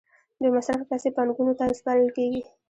بې مصرفه پیسې بانکونو ته سپارل کېږي